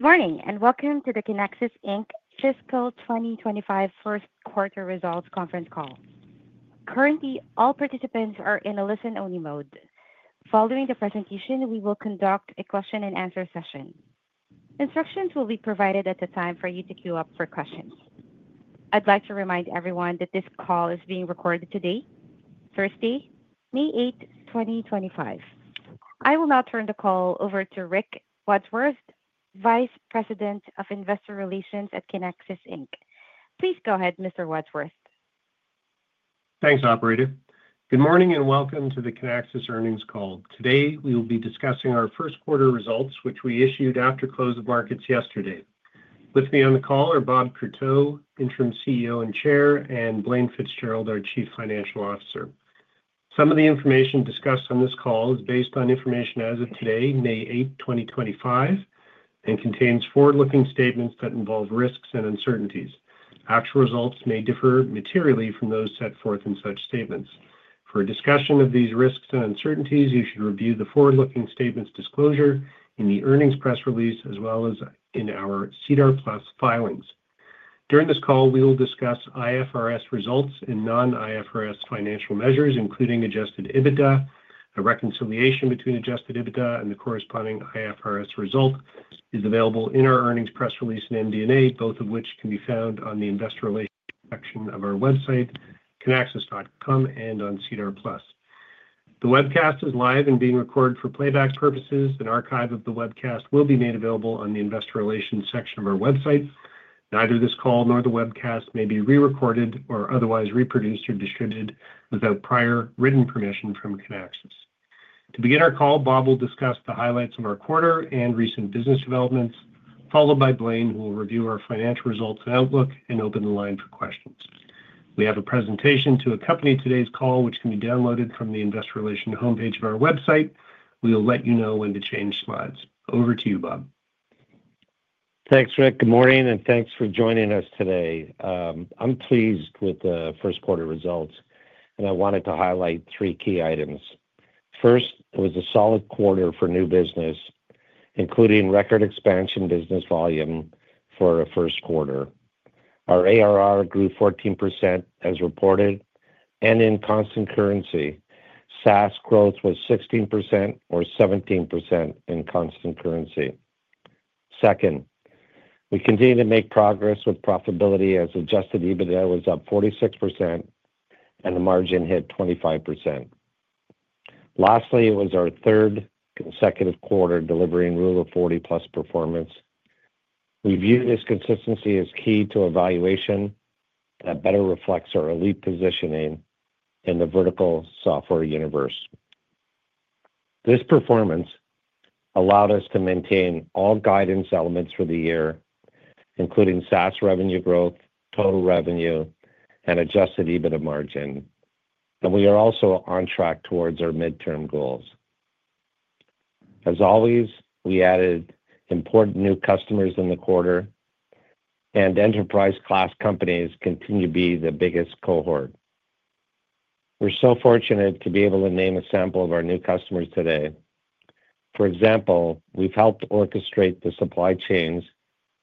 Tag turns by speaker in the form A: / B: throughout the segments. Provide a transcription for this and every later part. A: Morning and welcome to the Kinaxis fiscal 2025 first quarter results conference call. Currently, all participants are in a listen-only mode. Following the presentation, we will conduct a question-and-answer session. Instructions will be provided at the time for you to queue up for questions. I'd like to remind everyone that this call is being recorded today, Thursday, May 8, 2025. I will now turn the call over to Rick Wadsworth, Vice President of Investor Relations at Kinaxis. Please go ahead, Mr. Wadsworth.
B: Thanks, Operator. Good morning and welcome to the Kinaxis earnings call. Today, we will be discussing our first quarter results, which we issued after close of markets yesterday. With me on the call are Bob Courteau, Interim CEO and Chair, and Blaine Fitzgerald, our Chief Financial Officer. Some of the information discussed on this call is based on information as of today, May 8th, 2025, and contains forward-looking statements that involve risks and uncertainties. Actual results may differ materially from those set forth in such statements. For discussion of these risks and uncertainties, you should review the forward-looking statements disclosure in the earnings press release, as well as in our CDR Plus filings. During this call, we will discuss IFRS results and non-IFRS financial measures, including adjusted EBITDA. A reconciliation between adjusted EBITDA and the corresponding IFRS result is available in our earnings press release and MD&A, both of which can be found on the investor relations section of our website, kinaxis.com, and on CDR Plus. The webcast is live and being recorded for playback purposes. An archive of the webcast will be made available on the investor relations section of our website. Neither this call nor the webcast may be re-recorded or otherwise reproduced or distributed without prior written permission from Kinaxis. To begin our call, Bob will discuss the highlights of our quarter and recent business developments, followed by Blaine, who will review our financial results and outlook and open the line for questions. We have a presentation to accompany today's call, which can be downloaded from the investor relations homepage of our website. We will let you know when to change slides. Over to you, Bob.
C: Thanks, Rick. Good morning and thanks for joining us today. I'm pleased with the first quarter results, and I wanted to highlight three key items. First, it was a solid quarter for new business, including record expansion business volume for a first quarter. Our ARR grew 14% as reported, and in constant currency, SaaS growth was 16% or 17% in constant currency. Second, we continue to make progress with profitability as adjusted EBITDA was up 46% and the margin hit 25%. Lastly, it was our third consecutive quarter delivering Rule of 40+ performance. We view this consistency as key to evaluation that better reflects our elite positioning in the vertical software universe. This performance allowed us to maintain all guidance elements for the year, including SaaS revenue growth, total revenue, and adjusted EBITDA margin. We are also on track towards our midterm goals. As always, we added important new customers in the quarter, and enterprise-class companies continue to be the biggest cohort. We're so fortunate to be able to name a sample of our new customers today. For example, we've helped orchestrate the supply chains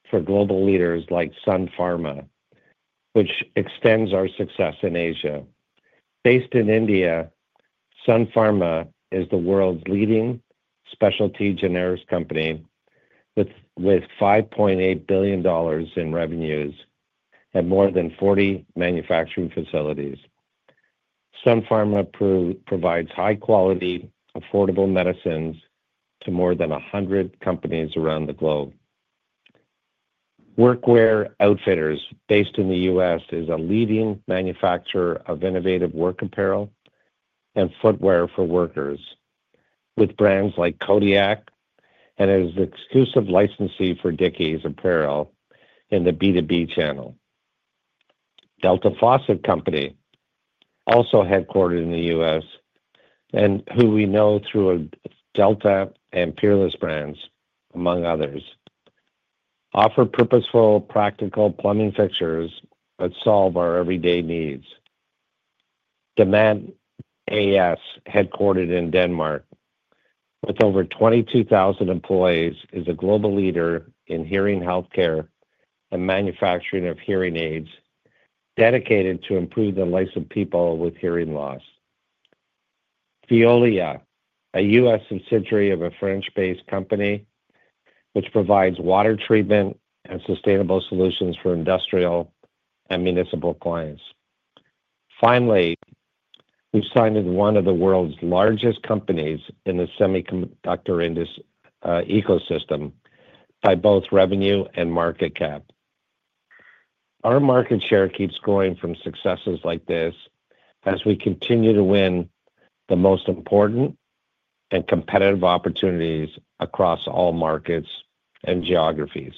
C: for global leaders like Sun Pharma, which extends our success in Asia. Based in India, Sun Pharma is the world's leading specialty generics company with $5.8 billion in revenues and more than 40 manufacturing facilities. Sun Pharma provides high-quality, affordable medicines to more than 100 companies around the globe. Workwear Outfitters, based in the U.S., is a leading manufacturer of innovative work apparel and footwear for workers, with brands like Kodiak and has exclusive licensee for Dickies apparel in the B2B channel. Delta Faucet Company, also headquartered in the US and who we know through Delta and Peerless brands, among others, offers purposeful, practical plumbing fixtures that solve our everyday needs. Demant A/S, headquartered in Denmark, with over 22,000 employees, is a global leader in hearing healthcare and manufacturing of hearing aids, dedicated to improving the life of people with hearing loss. Veolia, a U.S. subsidiary of a French-based company, provides water treatment and sustainable solutions for industrial and municipal clients. Finally, we've signed with one of the world's largest companies in the semiconductor ecosystem by both revenue and market cap. Our market share keeps growing from successes like this as we continue to win the most important and competitive opportunities across all markets and geographies.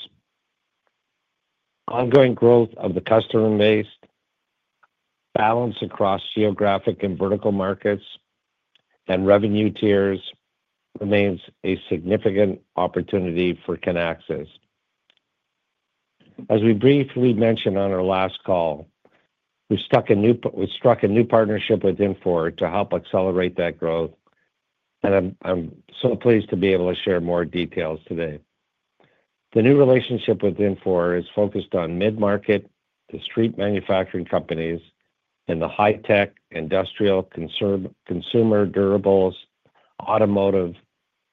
C: Ongoing growth of the customer base, balance across geographic and vertical markets, and revenue tiers remains a significant opportunity for Kinaxis. As we briefly mentioned on our last call, we've struck a new partnership with Infor to help accelerate that growth, and I'm so pleased to be able to share more details today. The new relationship with Infor is focused on mid-market, discrete manufacturing companies, and the high-tech industrial, consumer durables, automotive,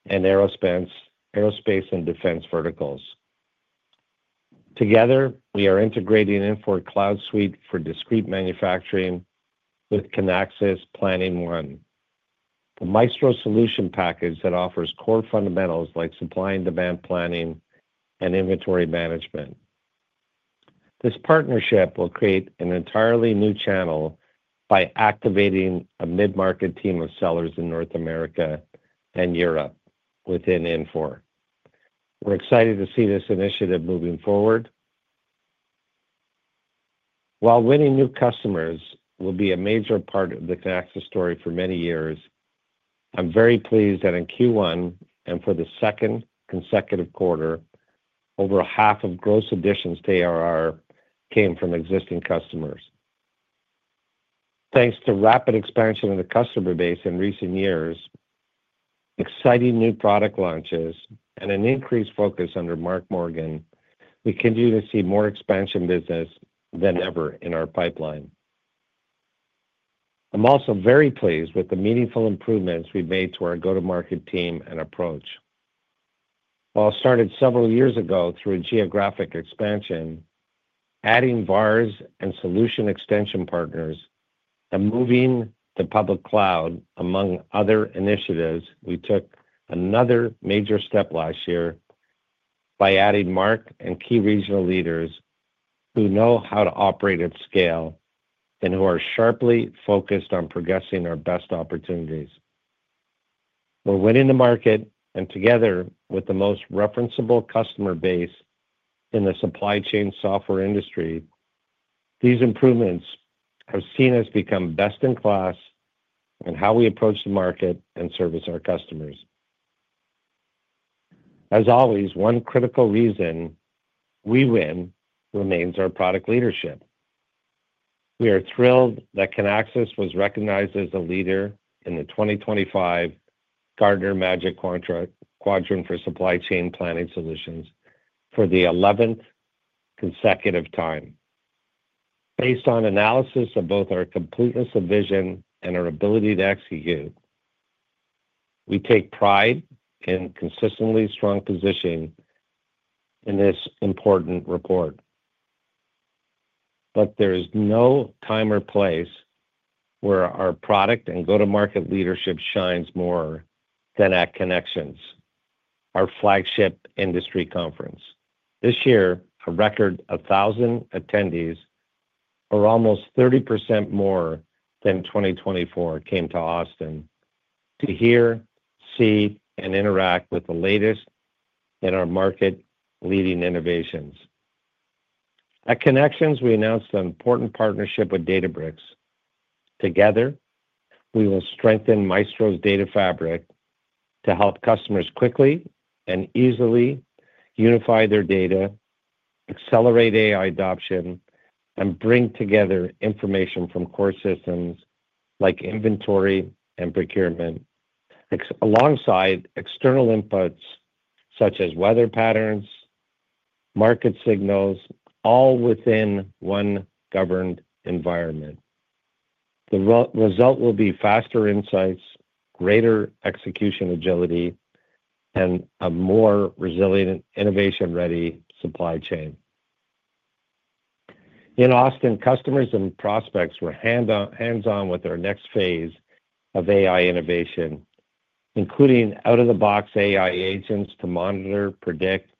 C: and aerospace and defense verticals. Together, we are integrating Infor Cloud Suite for discrete manufacturing with Kinaxis Planning One, the Maestro solution package that offers core fundamentals like supply and demand planning and inventory management. This partnership will create an entirely new channel by activating a mid-market team of sellers in North America and Europe within Infor. We're excited to see this initiative moving forward. While winning new customers will be a major part of the Kinaxis story for many years, I'm very pleased that in Q1 and for the second consecutive quarter, over half of gross additions to ARR came from existing customers. Thanks to rapid expansion of the customer base in recent years, exciting new product launches, and an increased focus under Mark Morgan, we continue to see more expansion business than ever in our pipeline. I'm also very pleased with the meaningful improvements we've made to our go-to-market team and approach. While started several years ago through a geographic expansion, adding VARs and solution extension partners, and moving to public cloud, among other initiatives, we took another major step last year by adding Mark and key regional leaders who know how to operate at scale and who are sharply focused on progressing our best opportunities. We're winning the market, and together with the most referenceable customer base in the supply chain software industry, these improvements have seen us become best in class in how we approach the market and service our customers. As always, one critical reason we win remains our product leadership. We are thrilled that Kinaxis was recognized as a leader in the 2025 Gartner Magic Quadrant for Supply Chain Planning Solutions for the 11th consecutive time. Based on analysis of both our completeness of vision and our ability to execute, we take pride in consistently strong positioning in this important report. There is no time or place where our product and go-to-market leadership shines more than at Kinexions, our flagship industry conference. This year, a record 1,000 attendees, or almost 30% more than 2024, came to Austin to hear, see, and interact with the latest in our market-leading innovations. At Kinaxis, we announced an important partnership with Databricks. Together, we will strengthen Maestro's data fabric to help customers quickly and easily unify their data, accelerate AI adoption, and bring together information from core systems like inventory and procurement, alongside external inputs such as weather patterns and market signals, all within one governed environment. The result will be faster insights, greater execution agility, and a more resilient, innovation-ready supply chain. In Austin, customers and prospects were hands-on with our next phase of AI innovation, including out-of-the-box AI agents to monitor, predict,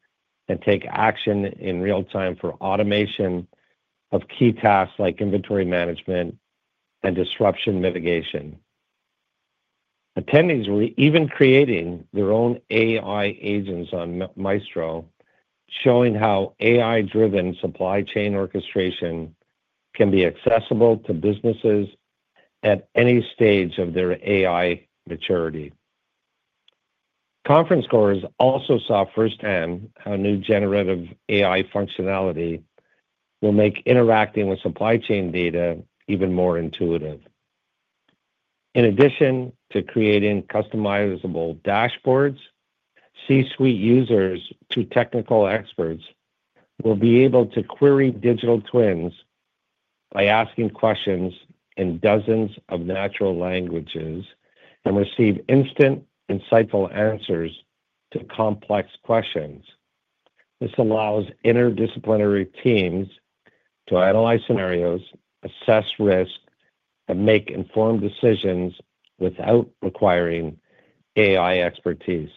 C: and take action in real time for automation of key tasks like inventory management and disruption mitigation. Attendees were even creating their own AI agents on Maestro, showing how AI-driven supply chain orchestration can be accessible to businesses at any stage of their AI maturity. Conference callers also saw firsthand how new generative AI functionality will make interacting with supply chain data even more intuitive. In addition to creating customizable dashboards, C-suite users to technical experts will be able to query digital twins by asking questions in dozens of natural languages and receive instant, insightful answers to complex questions. This allows interdisciplinary teams to analyze scenarios, assess risk, and make informed decisions without requiring AI expertise.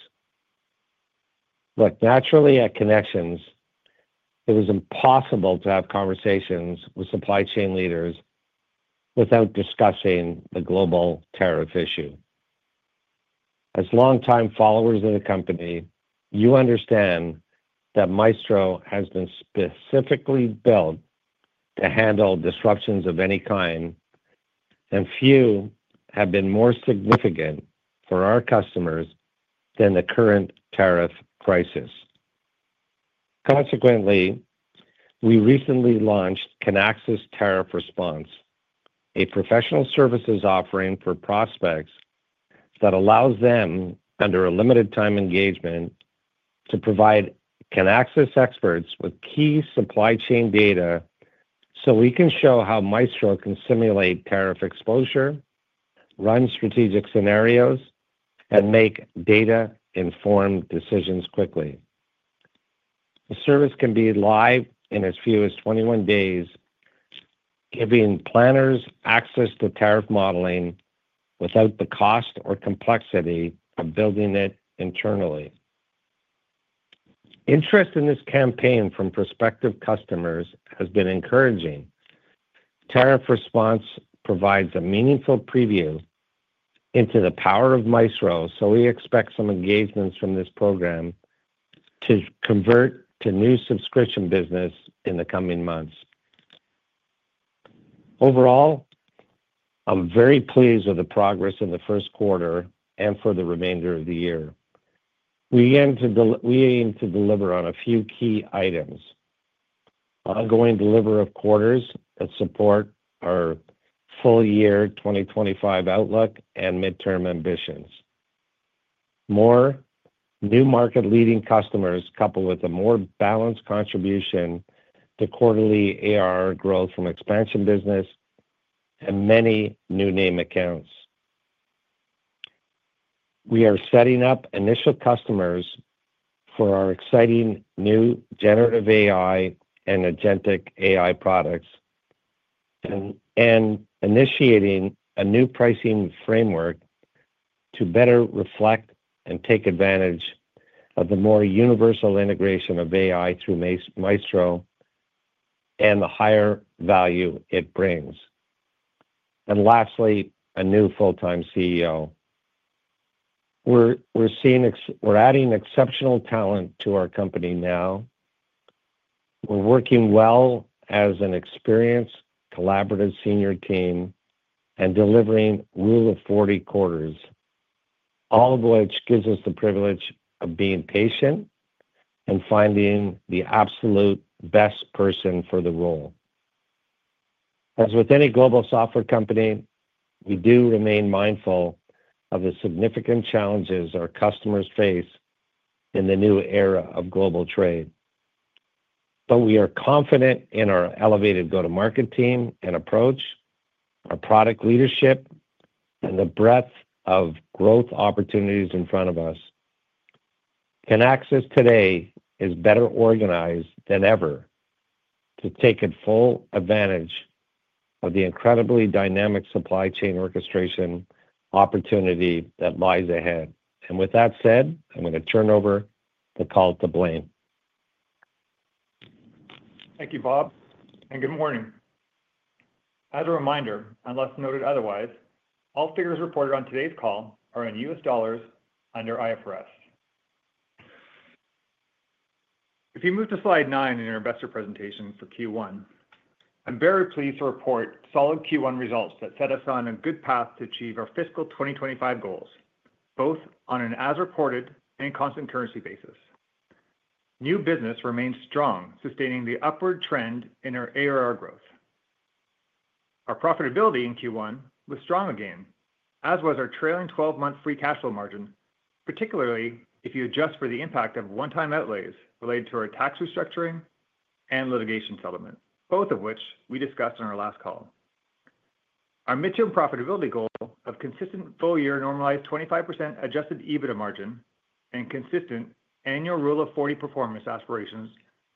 C: Naturally, at Kinaxis, it was impossible to have conversations with supply chain leaders without discussing the global tariff issue. As long-time followers of the company, you understand that Maestro has been specifically built to handle disruptions of any kind, and few have been more significant for our customers than the current tariff crisis. Consequently, we recently launched Kinaxis Tariff Response, a professional services offering for prospects that allows them, under a limited-time engagement, to provide Kinaxis experts with key supply chain data so we can show how Maestro can simulate tariff exposure, run strategic scenarios, and make data-informed decisions quickly. The service can be live in as few as 21 days, giving planners access to tariff modeling without the cost or complexity of building it internally. Interest in this campaign from prospective customers has been encouraging. Tariff Response provides a meaningful preview into the power of Maestro, so we expect some engagements from this program to convert to new subscription business in the coming months. Overall, I'm very pleased with the progress in the first quarter and for the remainder of the year. We aim to deliver on a few key items: ongoing delivery of quarters that support our full-year 2025 outlook and midterm ambitions, more new market-leading customers coupled with a more balanced contribution to quarterly ARR growth from expansion business, and many new name accounts. We are setting up initial customers for our exciting new generative AI and agentic AI products and initiating a new pricing framework to better reflect and take advantage of the more universal integration of AI through Maestro and the higher value it brings. Lastly, a new full-time CEO. We're adding exceptional talent to our company now. We're working well as an experienced, collaborative senior team and delivering Rule of 40 quarters, all of which gives us the privilege of being patient and finding the absolute best person for the role. As with any global software company, we do remain mindful of the significant challenges our customers face in the new era of global trade. We are confident in our elevated go-to-market team and approach, our product leadership, and the breadth of growth opportunities in front of us. Kinaxis today is better organized than ever to take full advantage of the incredibly dynamic supply chain orchestration opportunity that lies ahead. With that said, I'm going to turn over the call to Blaine.
D: Thank you, Bob. Good morning. As a reminder, unless noted otherwise, all figures reported on today's call are in US dollars under IFRS. If you move to slide nine in your investor presentation for Q1, I'm very pleased to report solid Q1 results that set us on a good path to achieve our fiscal 2025 goals, both on an as-reported and constant currency basis. New business remains strong, sustaining the upward trend in our ARR growth. Our profitability in Q1 was strong again, as was our trailing 12-month free cash flow margin, particularly if you adjust for the impact of one-time outlays related to our tax restructuring and litigation settlement, both of which we discussed on our last call. Our midterm profitability goal of consistent full-year normalized 25% adjusted EBITDA margin and consistent annual Rule of 40 performance aspirations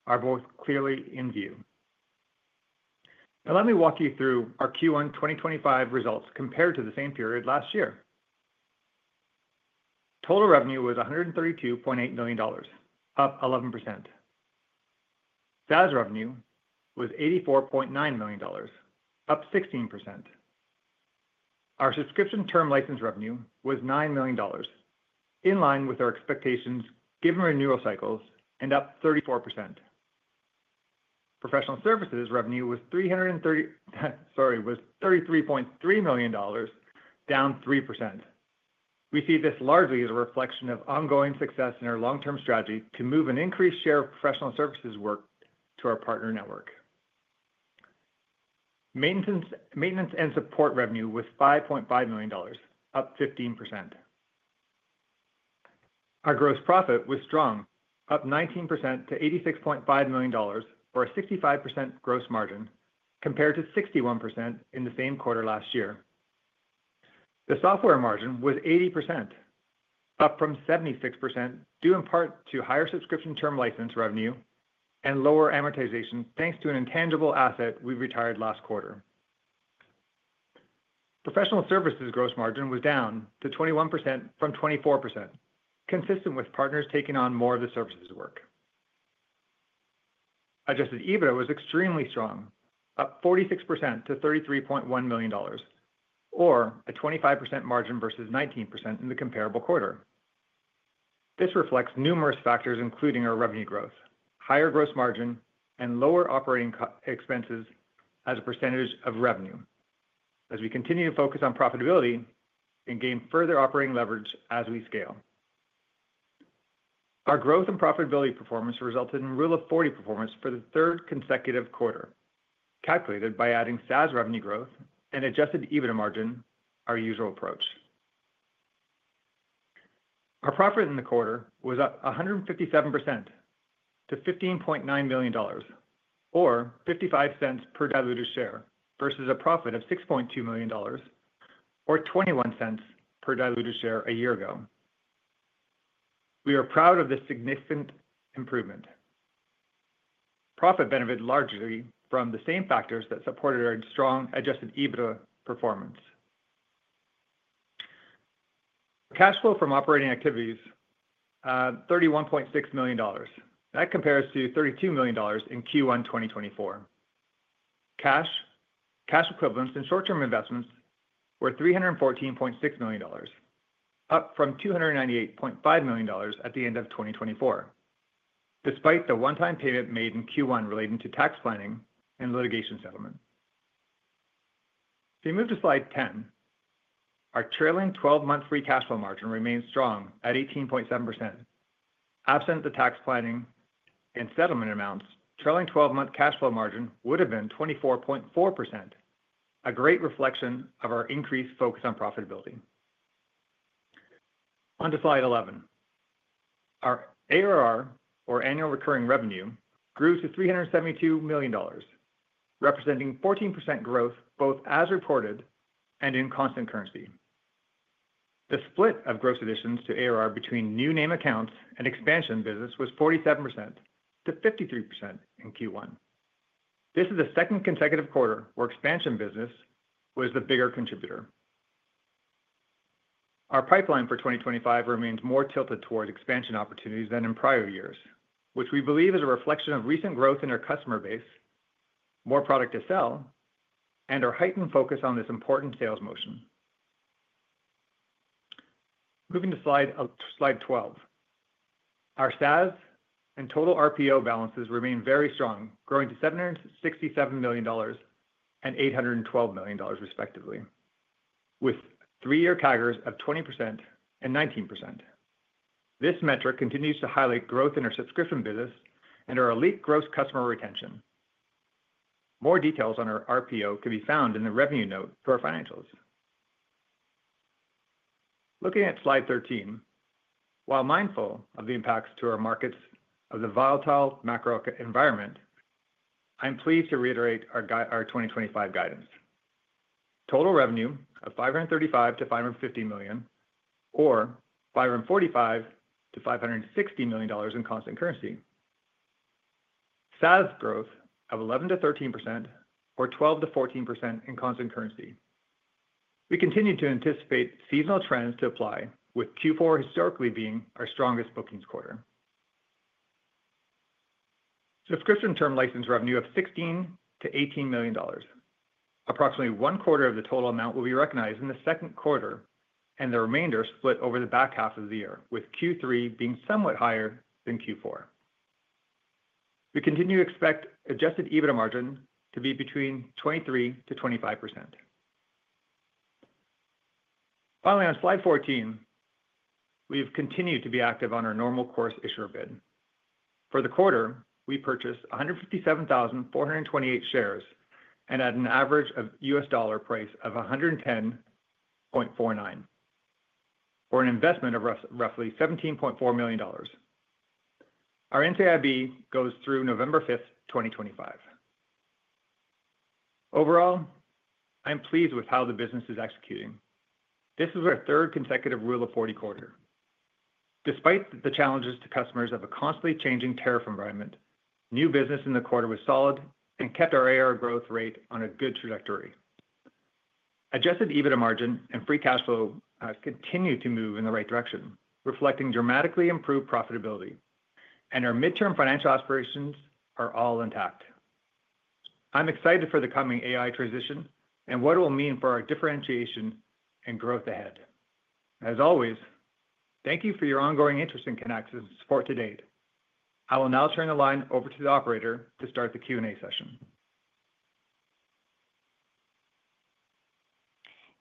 D: are both clearly in view. Now, let me walk you through our Q1 2025 results compared to the same period last year. Total revenue was $132.8 million, up 11%. SaaS revenue was $84.9 million, up 16%. Our subscription term license revenue was $9 million, in line with our expectations given renewal cycles, and up 34%. Professional services revenue was $33.3 million, down 3%. We see this largely as a reflection of ongoing success in our long-term strategy to move an increased share of professional services work to our partner network. Maintenance and support revenue was $5.5 million, up 15%. Our gross profit was strong, up 19% to $86.5 million for a 65% gross margin compared to 61% in the same quarter last year. The software margin was 80%, up from 76% due in part to higher subscription term license revenue and lower amortization, thanks to an intangible asset we retired last quarter. Professional services gross margin was down to 21% from 24%, consistent with partners taking on more of the services work. Adjusted EBITDA was extremely strong, up 46% to $33.1 million, or a 25% margin versus 19% in the comparable quarter. This reflects numerous factors, including our revenue growth, higher gross margin, and lower operating expenses as a percentage of revenue, as we continue to focus on profitability and gain further operating leverage as we scale. Our growth and profitability performance resulted in Rule of 40 performance for the third consecutive quarter, calculated by adding SaaS revenue growth and adjusted EBITDA margin, our usual approach. Our profit in the quarter was up 157% to $15.9 million, or $0.55 per diluted share, versus a profit of $6.2 million, or $0.21 per diluted share a year ago. We are proud of this significant improvement. Profit benefited largely from the same factors that supported our strong adjusted EBITDA performance. Cash flow from operating activities: $31.6 million. That compares to $32 million in Q1 2024. Cash, cash equivalents, and short-term investments were $314.6 million, up from $298.5 million at the end of 2024, despite the one-time payment made in Q1 relating to tax planning and litigation settlement. If you move to slide 10, our trailing 12-month free cash flow margin remains strong at 18.7%. Absent the tax planning and settlement amounts, trailing 12-month cash flow margin would have been 24.4%, a great reflection of our increased focus on profitability. On to slide 11. Our ARR, or annual recurring revenue, grew to $372 million, representing 14% growth both as reported and in constant currency. The split of gross additions to ARR between new name accounts and expansion business was 47% to 53% in Q1. This is the second consecutive quarter where expansion business was the bigger contributor. Our pipeline for 2025 remains more tilted towards expansion opportunities than in prior years, which we believe is a reflection of recent growth in our customer base, more product to sell, and our heightened focus on this important sales motion. Moving to slide 12, our SaaS and total RPO balances remain very strong, growing to $767 million and $812 million, respectively, with three-year CAGRs of 20% and 19%. This metric continues to highlight growth in our subscription business and our elite gross customer retention. More details on our RPO can be found in the revenue note for our financials. Looking at slide 13, while mindful of the impacts to our markets of the volatile macro environment, I'm pleased to reiterate our 2025 guidance: total revenue of $535-$550 million, or $545-$560 million in constant currency, SaaS growth of 11%-13%, or 12%-14% in constant currency. We continue to anticipate seasonal trends to apply, with Q4 historically being our strongest bookings quarter. Subscription term license revenue of $16-$18 million. Approximately one quarter of the total amount will be recognized in the second quarter, and the remainder split over the back half of the year, with Q3 being somewhat higher than Q4. We continue to expect adjusted EBITDA margin to be between 23%-25%. Finally, on slide 14, we've continued to be active on our normal course issuer bid. For the quarter, we purchased 157,428 shares and had an average US dollar price of $110.49 for an investment of roughly $17.4 million. Our NCIB goes through November 5, 2025. Overall, I'm pleased with how the business is executing. This is our third consecutive rule of 40 quarter. Despite the challenges to customers of a constantly changing tariff environment, new business in the quarter was solid and kept our ARR growth rate on a good trajectory. Adjusted EBITDA margin and free cash flow continue to move in the right direction, reflecting dramatically improved profitability, and our midterm financial aspirations are all intact. I'm excited for the coming AI transition and what it will mean for our differentiation and growth ahead. As always, thank you for your ongoing interest in Kinaxis and support to date. I will now turn the line over to the operator to start the Q&A session.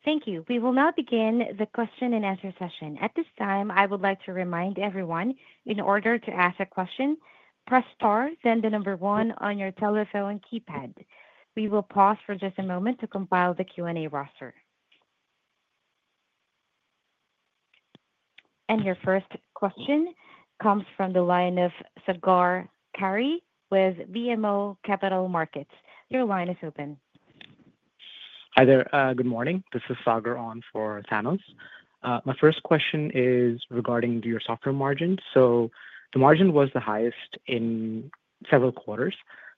A: Thank you. We will now begin the question and answer session. At this time, I would like to remind everyone, in order to ask a question, press star, then the number one on your telephone keypad. We will pause for just a moment to compile the Q&A roster. Your first question comes from the line of Sagar Karri with BMO Capital Markets. Your line is open.
E: Hi there. Good morning. This is Sagar on for Thanos. My first question is regarding your software margin. The margin was the highest in several quarters.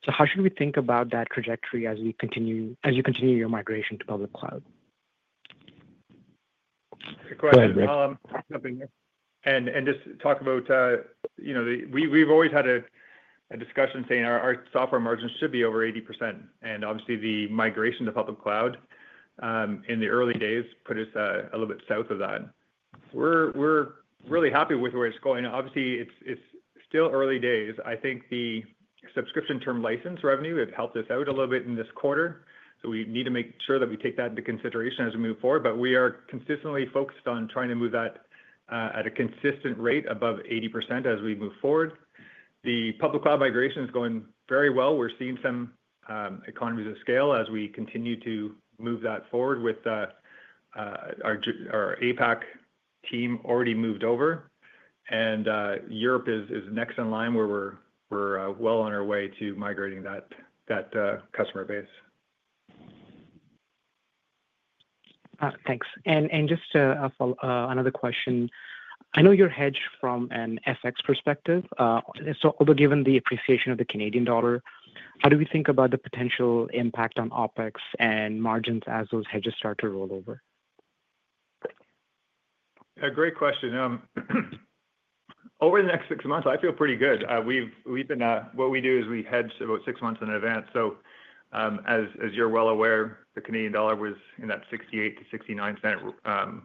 E: How should we think about that trajectory as you continue your migration to public cloud?
D: Good question. Just to talk about, we've always had a discussion saying our software margin should be over 80%. Obviously, the migration to public cloud in the early days put us a little bit south of that. We're really happy with where it's going. Obviously, it's still early days. I think the subscription term license revenue has helped us out a little bit in this quarter. We need to make sure that we take that into consideration as we move forward. We are consistently focused on trying to move that at a consistent rate above 80% as we move forward. The public cloud migration is going very well. We're seeing some economies of scale as we continue to move that forward with our APAC team already moved over. Europe is next in line, where we're well on our way to migrating that customer base.
E: Thanks. Just another question. I know you're hedged from an FX perspective. Given the appreciation of the Canadian dollar, how do we think about the potential impact on OpEx and margins as those hedges start to roll over?
D: Great question. Over the next six months, I feel pretty good. What we do is we hedge about six months in advance. As you're well aware, the Canadian dollar was in that $0.68-$0.69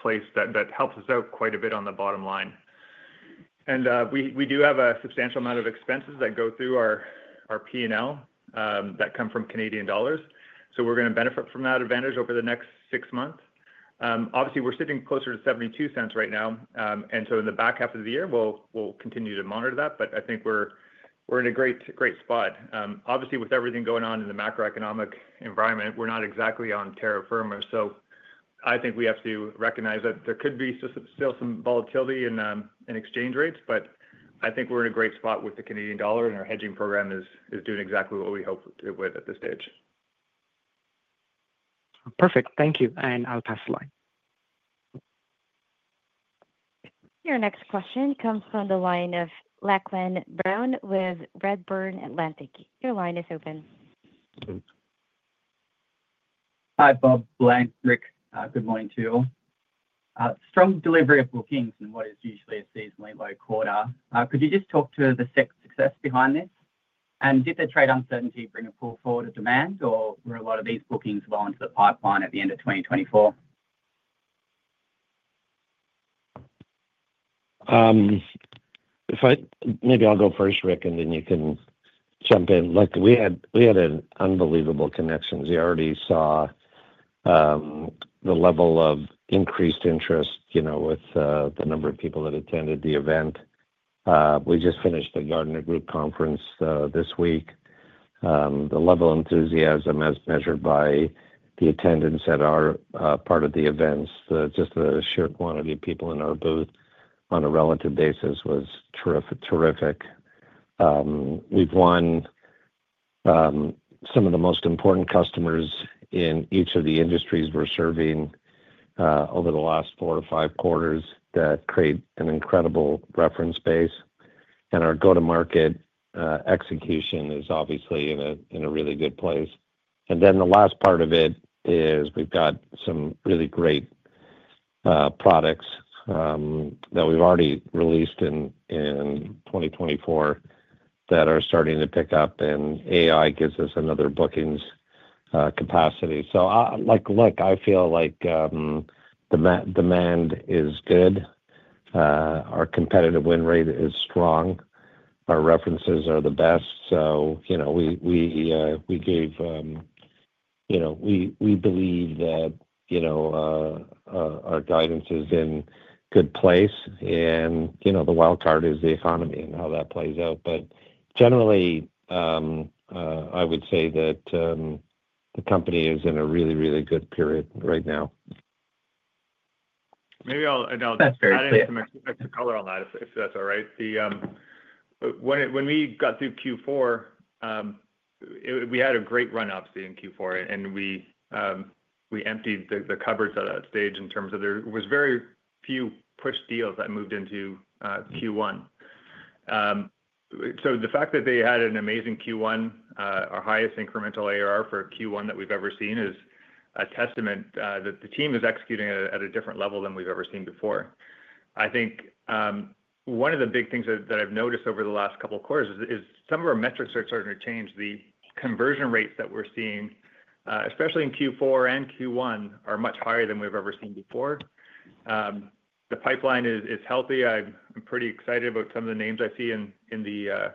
D: place. That helps us out quite a bit on the bottom line. We do have a substantial amount of expenses that go through our P&L that come from Canadian dollars. We're going to benefit from that advantage over the next six months. Obviously, we're sitting closer to $0.72 right now. In the back half of the year, we'll continue to monitor that. I think we're in a great spot. Obviously, with everything going on in the macroeconomic environment, we're not exactly on terra firma. I think we have to recognize that there could be still some volatility in exchange rates. I think we're in a great spot with the Canadian dollar, and our hedging program is doing exactly what we hope it would at this stage.
E: Perfect. Thank you. I'll pass the line.
A: Your next question comes from the line of Lachlan Brown with Redburn Atlantic. Your line is open.
F: Hi, Bob, Blaine, Rick. Good morning to you all. Strong delivery of bookings in what is usually a seasonally low quarter. Could you just talk to the success behind this? Did the trade uncertainty bring a pull forward of demand, or were a lot of these bookings going to the pipeline at the end of 2024?
C: Maybe I'll go first, Rick, and then you can jump in. We had an unbelievable connection. We already saw the level of increased interest with the number of people that attended the event. We just finished the Gartner Group conference this week. The level of enthusiasm as measured by the attendance at our part of the events, just the sheer quantity of people in our booth on a relative basis, was terrific. We've won some of the most important customers in each of the industries we're serving over the last four to five quarters that create an incredible reference base. Our go-to-market execution is obviously in a really good place. The last part of it is we've got some really great products that we've already released in 2024 that are starting to pick up, and AI gives us another bookings capacity. Look, I feel like the demand is good. Our competitive win rate is strong. Our references are the best. We believe that our guidance is in good place. The wild card is the economy and how that plays out. Generally, I would say that the company is in a really, really good period right now.
D: Maybe I'll add in some extra color on that, if that's all right. When we got through Q4, we had a great run-up in Q4, and we emptied the cupboards at that stage in terms of there were very few push deals that moved into Q1. The fact that they had an amazing Q1, our highest incremental ARR for Q1 that we've ever seen, is a testament that the team is executing at a different level than we've ever seen before. I think one of the big things that I've noticed over the last couple of quarters is some of our metrics are starting to change. The conversion rates that we're seeing, especially in Q4 and Q1, are much higher than we've ever seen before. The pipeline is healthy. I'm pretty excited about some of the names I see in the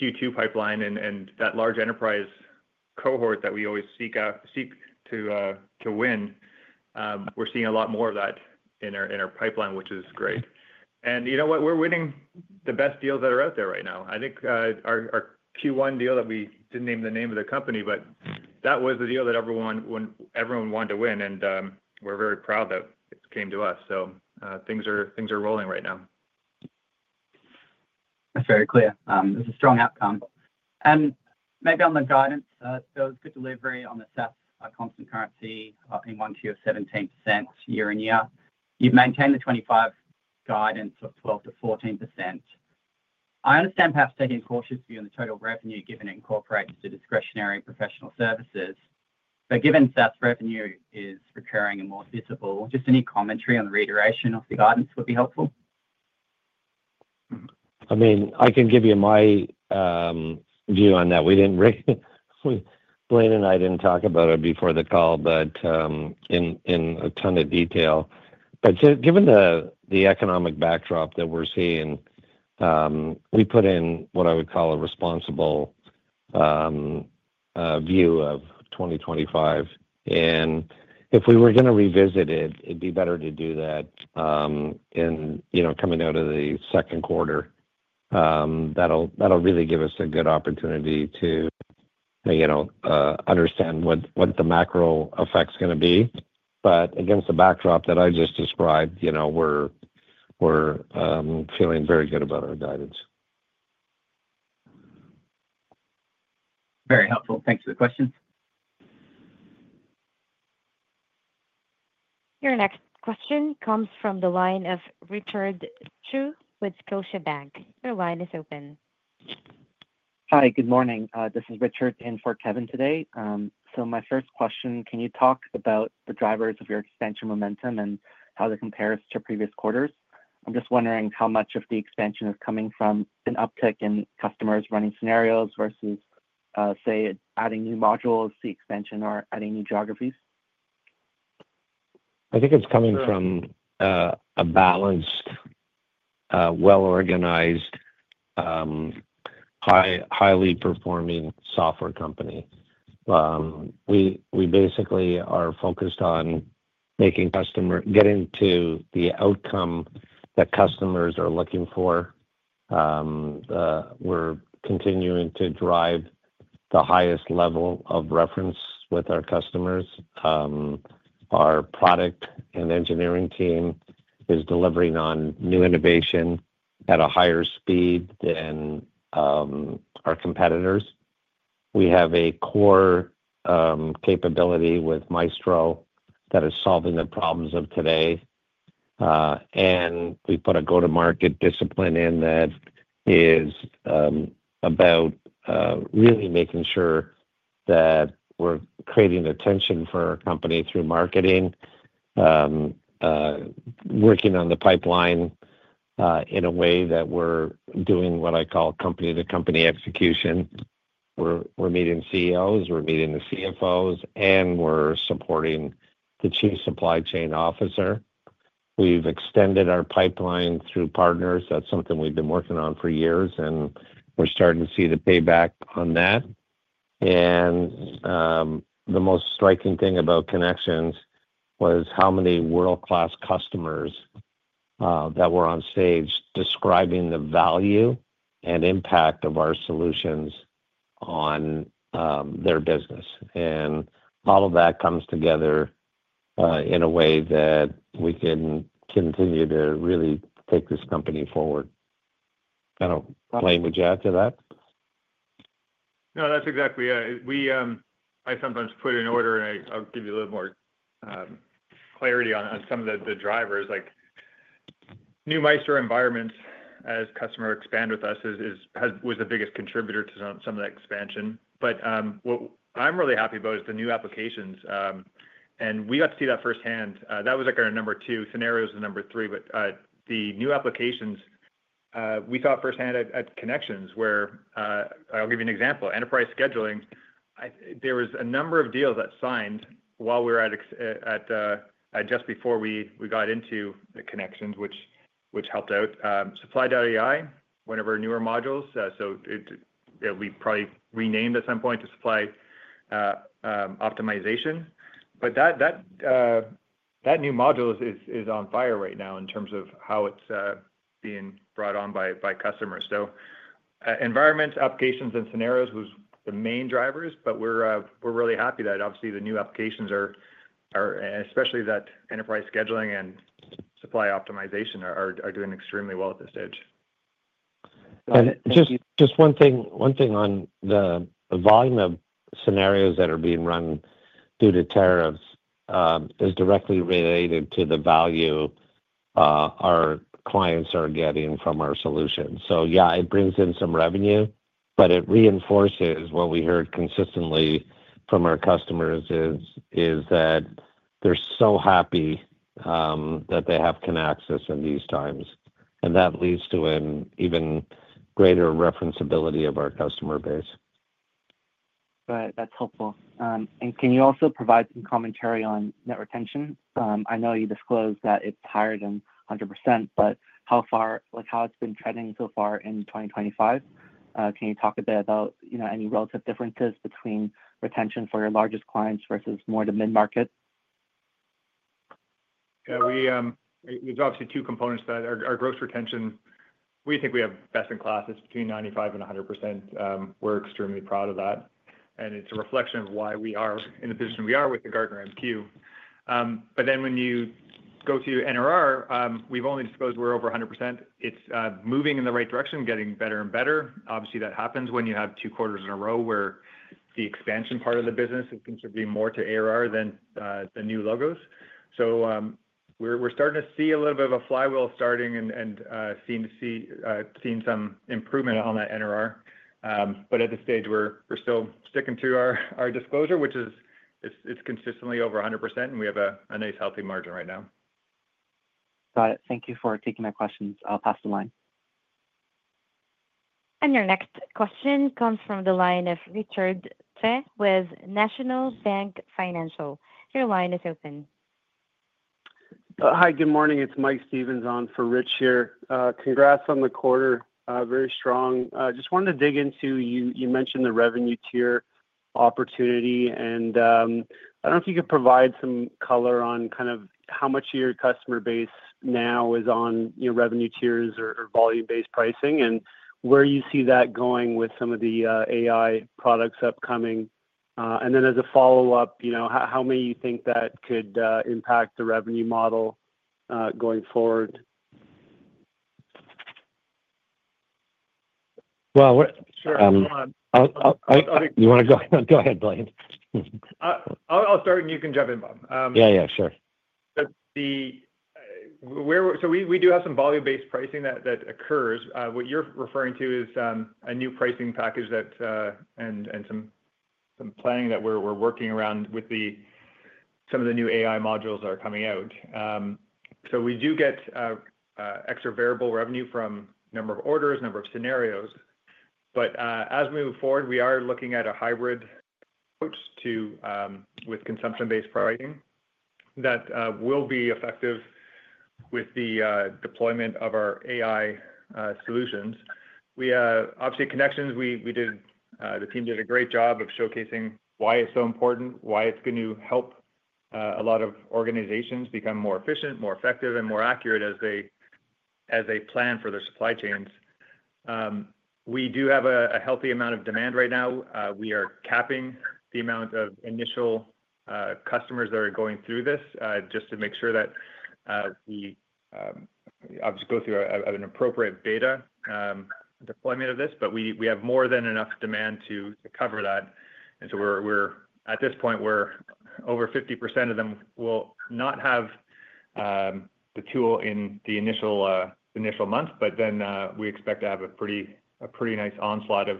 D: Q2 pipeline and that large enterprise cohort that we always seek to win. We're seeing a lot more of that in our pipeline, which is great. You know what? We're winning the best deals that are out there right now. I think our Q1 deal that we didn't name the name of the company, but that was the deal that everyone wanted to win. We're very proud that it came to us. Things are rolling right now.
F: That's very clear. That's a strong outcome. Maybe on the guidance, there was good delivery on the SaaS constant currency in one tier of 17% year on year. You've maintained the 25% guidance of 12%-14%. I understand perhaps taking a cautious view on the total revenue given it incorporates the discretionary professional services. But given SaaS revenue is recurring and more visible, just any commentary on the reiteration of the guidance would be helpful.
C: I mean, I can give you my view on that. Blaine and I didn't talk about it before the call, but in a ton of detail. But given the economic backdrop that we're seeing, we put in what I would call a responsible view of 2025. And if we were going to revisit it, it'd be better to do that in coming out of the second quarter. That'll really give us a good opportunity to understand what the macro effect's going to be. But against the backdrop that I just described, we're feeling very good about our guidance.
F: Very helpful. Thanks for the questions.
A: Your next question comes from the line of Richard Chu with Scotiabank. Your line is open.
G: Hi, good morning. This is Richard in for Kevin today. So my first question, can you talk about the drivers of your expansion momentum and how it compares to previous quarters? I'm just wondering how much of the expansion is coming from an uptick in customers running scenarios versus, say, adding new modules, the expansion, or adding new geographies?
C: I think it's coming from a balanced, well-organized, highly performing software company. We basically are focused on getting to the outcome that customers are looking for. We're continuing to drive the highest level of reference with our customers. Our product and engineering team is delivering on new innovation at a higher speed than our competitors. We have a core capability with Maestro that is solving the problems of today. We put a go-to-market discipline in that is about really making sure that we're creating attention for our company through marketing, working on the pipeline in a way that we're doing what I call company-to-company execution. We're meeting CEOs. We're meeting the CFOs. We're supporting the Chief Supply Chain Officer. We've extended our pipeline through partners. That's something we've been working on for years. We're starting to see the payback on that. The most striking thing about connections was how many world-class customers were on stage describing the value and impact of our solutions on their business. All of that comes together in a way that we can continue to really take this company forward. I don't know, Blaine, would you add to that?
D: No, that's exactly it. I sometimes put in order, and I'll give you a little more clarity on some of the drivers. New Maestro environments, as customers expand with us, was the biggest contributor to some of that expansion. What I'm really happy about is the new applications. We got to see that firsthand. That was our number two. Scenarios is number three. The new applications, we saw firsthand at Connections where I'll give you an example. Enterprise scheduling, there was a number of deals that signed while we were at just before we got into the Connections, which helped out. Supply.ai, one of our newer modules. It will be probably renamed at some point to Supply Optimization. That new module is on fire right now in terms of how it's being brought on by customers. Environments, applications, and scenarios was the main drivers. We're really happy that obviously the new applications, especially that enterprise scheduling and supply optimization, are doing extremely well at this stage.
C: Just one thing on the volume of scenarios that are being run due to tariffs is directly related to the value our clients are getting from our solutions. Yeah, it brings in some revenue. It reinforces what we heard consistently from our customers is that they're so happy that they have Kinaxis in these times. That leads to an even greater referenceability of our customer base.
G: That's helpful. Can you also provide some commentary on net retention? I know you disclosed that it's higher than 100%, but how far has it been trending so far in 2025? Can you talk a bit about any relative differences between retention for your largest clients versus more the mid-market?
D: Yeah. There's obviously two components to that. Our gross retention, we think we have best-in-class. It's between 95%-100%. We're extremely proud of that. It's a reflection of why we are in the position we are with the Gartner MQ. When you go to NRR, we've only disclosed we're over 100%. It's moving in the right direction, getting better and better. Obviously, that happens when you have two quarters in a row where the expansion part of the business is contributing more to ARR than the new logos. We're starting to see a little bit of a flywheel starting and seeing some improvement on that NRR. At this stage, we're still sticking to our disclosure, which is it's consistently over 100%, and we have a nice healthy margin right now.
G: Got it. Thank you for taking my questions. I'll pass the line.
A: Your next question comes from the line of Richard Chick with National Bank Financial. Your line is open.
H: Hi, good morning. It's Mike Stevens on for Rich here. Congrats on the quarter. Very strong. Just wanted to dig into you mentioned the revenue tier opportunity. I don't know if you could provide some color on kind of how much of your customer base now is on revenue tiers or volume-based pricing and where you see that going with some of the AI products upcoming. As a follow-up, how many you think that could impact the revenue model going forward?
C: You want to go ahead, Blaine.
D: I'll start, and you can jump in, Bob.
C: Yeah, yeah, sure.
D: We do have some volume-based pricing that occurs. What you're referring to is a new pricing package and some planning that we're working around with some of the new AI modules that are coming out. We do get extra variable revenue from number of orders, number of scenarios. As we move forward, we are looking at a hybrid approach with consumption-based pricing that will be effective with the deployment of our AI solutions. Obviously, Connections, the team did a great job of showcasing why it's so important, why it's going to help a lot of organizations become more efficient, more effective, and more accurate as they plan for their supply chains. We do have a healthy amount of demand right now. We are capping the amount of initial customers that are going through this just to make sure that we obviously go through an appropriate beta deployment of this. We have more than enough demand to cover that. At this point, over 50% of them will not have the tool in the initial month, but we expect to have a pretty nice onslaught of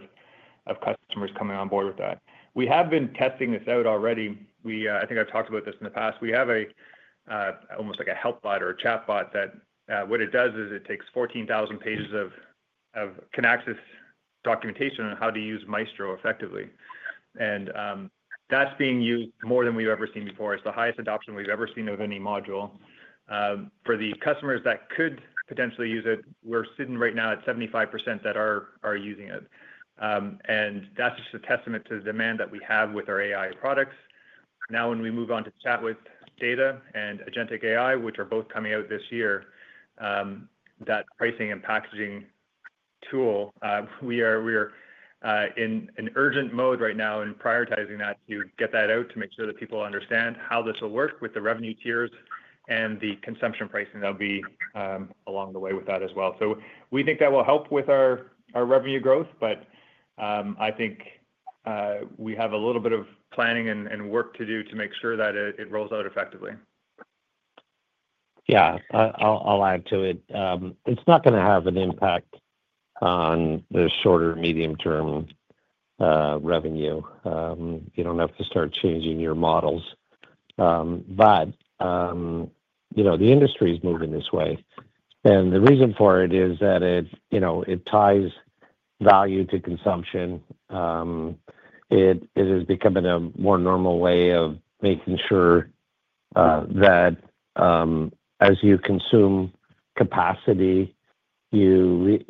D: customers coming on board with that. We have been testing this out already. I think I've talked about this in the past. We have almost like a help bot or a chat bot that, what it does is it takes 14,000 pages of Kinaxis documentation on how to use Maestro effectively. That is being used more than we've ever seen before. It is the highest adoption we've ever seen of any module. For the customers that could potentially use it, we're sitting right now at 75% that are using it. That is just a testament to the demand that we have with our AI products. Now, when we move on to chat with data and agentic AI, which are both coming out this year, that pricing and packaging tool, we are in an urgent mode right now in prioritizing that to get that out to make sure that people understand how this will work with the revenue tiers and the consumption pricing that'll be along the way with that as well. We think that will help with our revenue growth, but I think we have a little bit of planning and work to do to make sure that it rolls out effectively.
C: Yeah, I'll add to it. It's not going to have an impact on the short or medium-term revenue. You don't have to start changing your models. The industry is moving this way. The reason for it is that it ties value to consumption. It is becoming a more normal way of making sure that as you consume capacity, you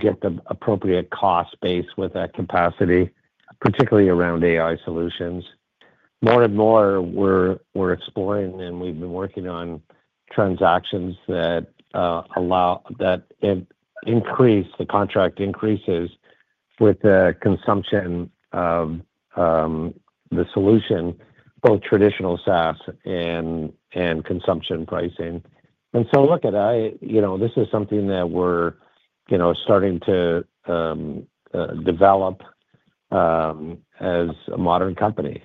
C: get the appropriate cost base with that capacity, particularly around AI solutions. More and more, we're exploring and we've been working on transactions that increase the contract increases with the consumption of the solution, both traditional SaaS and consumption pricing. Look at it. This is something that we're starting to develop as a modern company.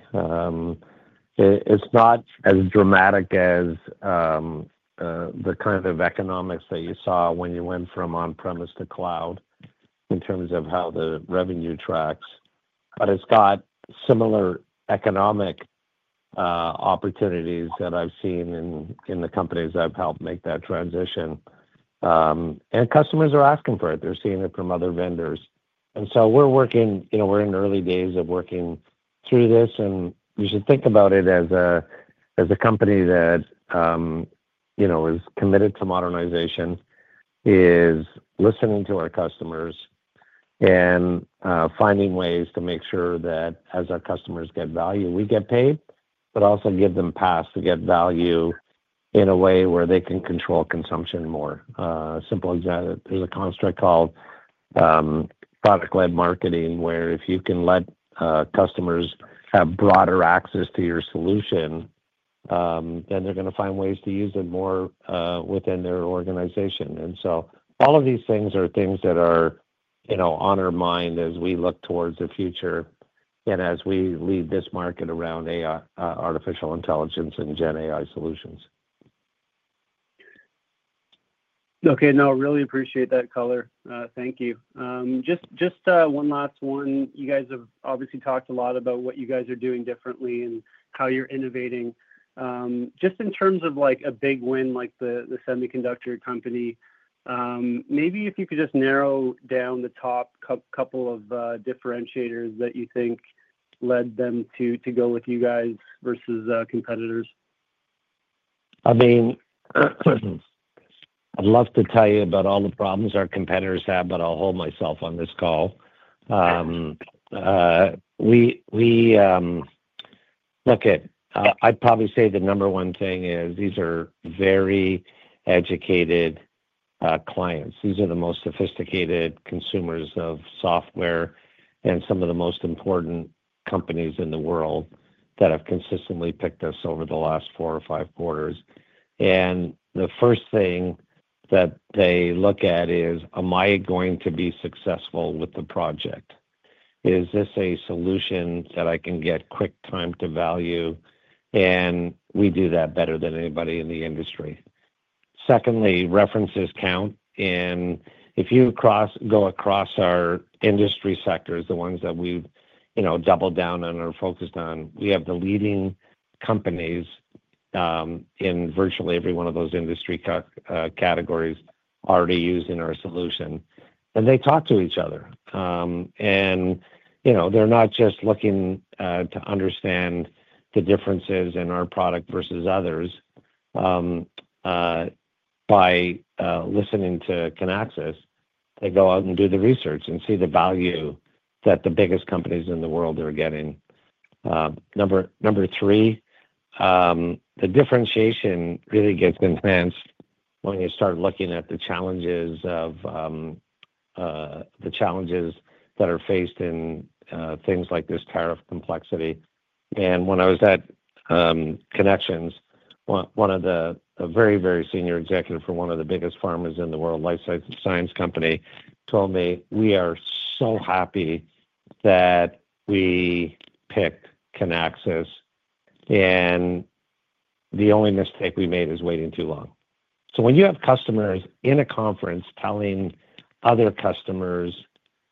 C: It's not as dramatic as the kind of economics that you saw when you went from on-premise to cloud in terms of how the revenue tracks. It's got similar economic opportunities that I've seen in the companies I've helped make that transition. Customers are asking for it. They're seeing it from other vendors. We're working, we're in the early days of working through this. You should think about it as a company that is committed to modernization, is listening to our customers and finding ways to make sure that as our customers get value, we get paid, but also give them paths to get value in a way where they can control consumption more. A simple example, there is a construct called product-led marketing where if you can let customers have broader access to your solution, then they are going to find ways to use it more within their organization. All of these things are things that are on our mind as we look towards the future and as we lead this market around artificial intelligence and GenAI solutions.
H: Okay. No, really appreciate that, Courteau. Thank you. Just one last one. You guys have obviously talked a lot about what you guys are doing differently and how you are innovating. Just in terms of a big win, like the semiconductor company, maybe if you could just narrow down the top couple of differentiators that you think led them to go with you guys versus competitors.
C: I mean, I'd love to tell you about all the problems our competitors have, but I'll hold myself on this call. Okay. I'd probably say the number one thing is these are very educated clients. These are the most sophisticated consumers of software and some of the most important companies in the world that have consistently picked us over the last four or five quarters. The first thing that they look at is, "Am I going to be successful with the project? Is this a solution that I can get quick time to value?" We do that better than anybody in the industry. Secondly, references count. If you go across our industry sectors, the ones that we've doubled down on or focused on, we have the leading companies in virtually every one of those industry categories already using our solution. They talk to each other. They're not just looking to understand the differences in our product versus others by listening to Kinaxis. They go out and do the research and see the value that the biggest companies in the world are getting. Number three, the differentiation really gets enhanced when you start looking at the challenges that are faced in things like this tariff complexity. When I was at Kinaxis, one of the very, very senior executives for one of the biggest pharma in the world, Life Science Company, told me, "We are so happy that we picked Kinaxis, and the only mistake we made is waiting too long." When you have customers in a conference telling other customers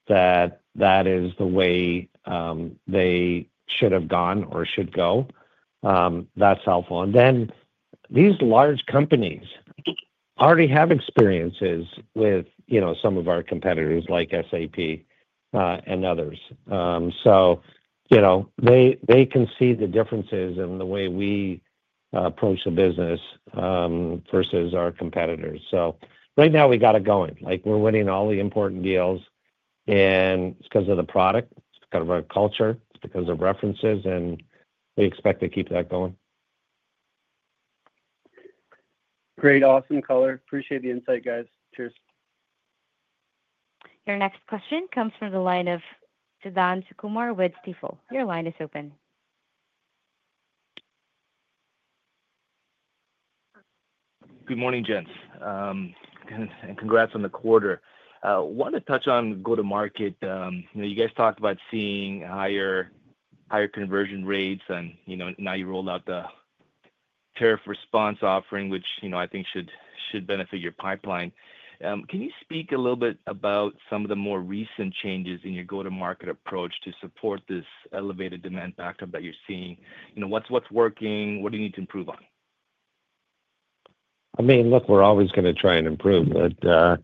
C: that that is the way they should have gone or should go, that's helpful. These large companies already have experiences with some of our competitors like SAP and others. They can see the differences in the way we approach the business versus our competitors. Right now, we got it going. We're winning all the important deals, and it's because of the product. It's because of our culture. It's because of references, and we expect to keep that going.
H: Great. Awesome, Courtneau. Appreciate the insight, guys. Cheers.
A: Your next question comes from the line of Suthan Sukumar Stifel. Your line is open.
I: Good morning, Jens. And congrats on the quarter. I want to touch on go-to-market. You guys talked about seeing higher conversion rates, and now you rolled out the Tariff Response offering, which I think should benefit your pipeline. Can you speak a little bit about some of the more recent changes in your go-to-market approach to support this elevated demand backup that you're seeing? What's working? What do you need to improve on?
C: I mean, look, we're always going to try and improve, but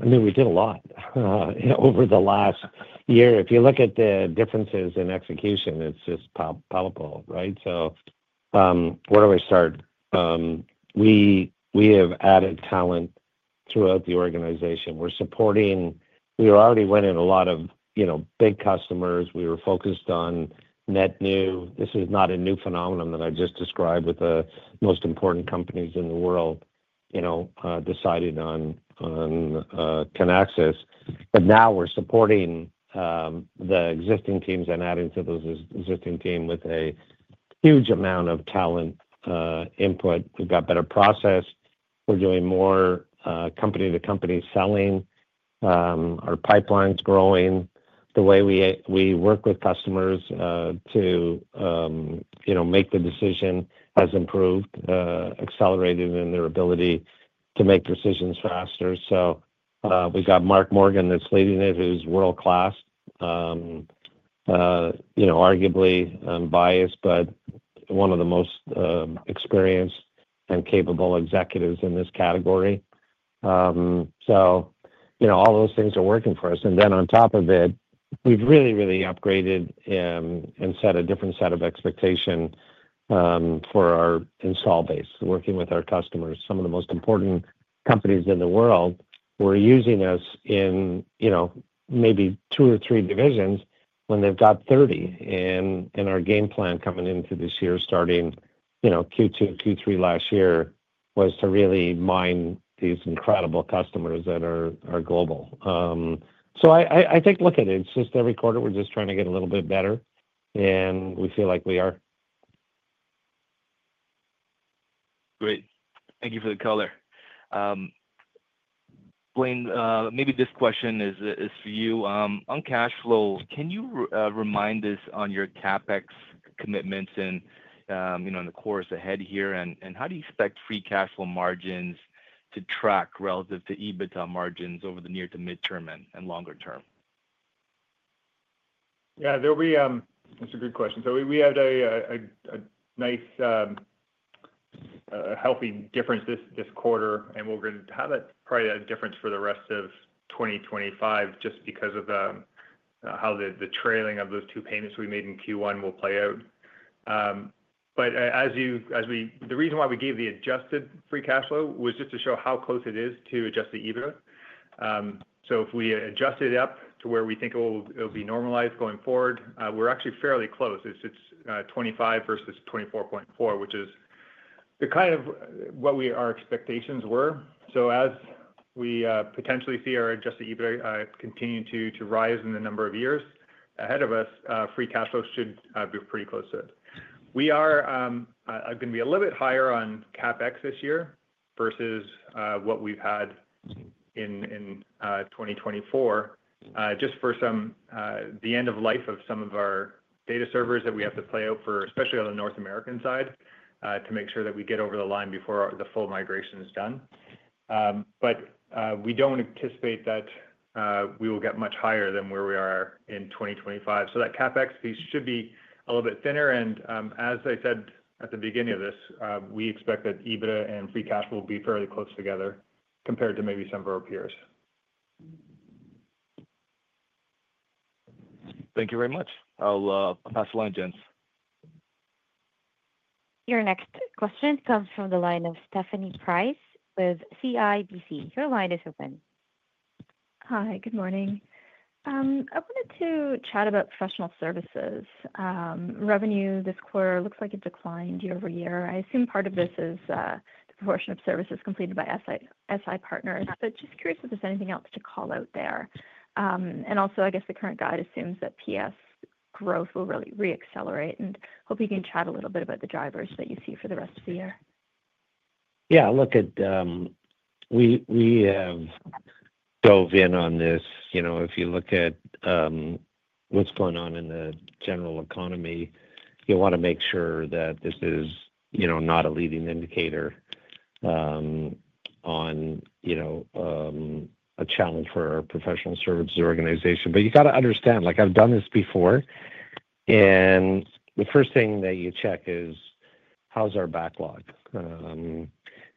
C: I mean, we did a lot over the last year. If you look at the differences in execution, it's just palpable, right? So where do I start? We have added talent throughout the organization. We already went in a lot of big customers. We were focused on net new. This is not a new phenomenon that I just described with the most important companies in the world deciding on Kinaxis. Now we're supporting the existing teams and adding to those existing teams with a huge amount of talent input. We've got better process. We're doing more company-to-company selling. Our pipeline's growing. The way we work with customers to make the decision has improved, accelerated in their ability to make decisions faster. We've got Mark Morgan that's leading it, who's world-class, arguably biased, but one of the most experienced and capable executives in this category. All those things are working for us. On top of it, we've really, really upgraded and set a different set of expectations for our install base, working with our customers. Some of the most important companies in the world were using us in maybe two or three divisions when they've got 30. Our game plan coming into this year, starting Q2, Q3 last year, was to really mine these incredible customers that are global. I think, look at it, it's just every quarter we're just trying to get a little bit better, and we feel like we are.
I: Great. Thank you for the color. Blaine, maybe this question is for you. On cash flow, can you remind us on your CapEx commitments and the course ahead here? How do you expect free cash flow margins to track relative to EBITDA margins over the near to midterm and longer term?
D: Yeah, that's a good question. We had a nice, healthy difference this quarter, and we're going to have probably a difference for the rest of 2025 just because of how the trailing of those two payments we made in Q1 will play out. The reason why we gave the adjusted free cash flow was just to show how close it is to adjusted EBITDA. If we adjust it up to where we think it'll be normalized going forward, we're actually fairly close. It's $25 million versus $24.4 million, which is kind of what our expectations were. As we potentially see our adjusted EBITDA continue to rise in the number of years ahead of us, free cash flow should be pretty close to it. We are going to be a little bit higher on CapEx this year versus what we've had in 2024, just for the end of life of some of our data servers that we have to play out for, especially on the North American side, to make sure that we get over the line before the full migration is done. We do not anticipate that we will get much higher than where we are in 2025. That CapEx piece should be a little bit thinner. As I said at the beginning of this, we expect that EBITDA and free cash flow will be fairly close together compared to maybe some of our peers.
I: Thank you very much. I'll pass the line, Jens.
A: Your next question comes from the line of Stephanie Price with CIBC. Your line is open.
J: Hi, good morning. I wanted to chat about professional services. Revenue this quarter looks like it declined year over year. I assume part of this is the proportion of services completed by SI partners, but just curious if there's anything else to call out there. I guess the current guide assumes that PS growth will really re-accelerate. Hope you can chat a little bit about the drivers that you see for the rest of the year.
C: Yeah, look, we have dove in on this. If you look at what's going on in the general economy, you want to make sure that this is not a leading indicator on a challenge for our professional services organization. You got to understand, I've done this before. The first thing that you check is, how's our backlog?